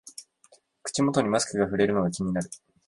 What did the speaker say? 口元にマスクがふれるのが気になる